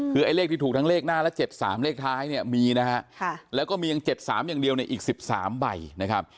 คือไอ้เลขที่ถูกทั้งเลขหน้าและ๗๓เลขท้ายเนี่ยมีนะฮะแล้วก็มียัง๗๓อย่างเดียวในอีก๑๓ใบนะครับ